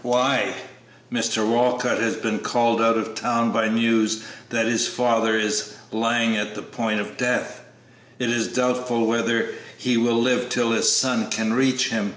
"Why, Mr. Walcott has just been called out of town by news that his father is lying at the point of death; it is doubtful whether he will live till his son can reach him.